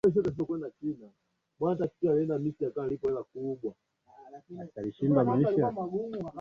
sio kweli hakuna tokeo